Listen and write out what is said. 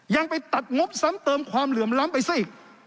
ยังไปตัดงบซ้ำเติมความเหลื่อมล้ำไปซะอีก